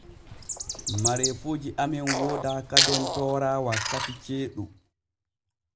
Mareefuuji amen wooda kadem toora wakkiti jeeɗu.